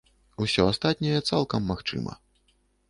Усё астатняе цалкам магчыма.